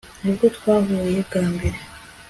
nibwo twahuye bwa mbere